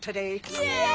イエイ！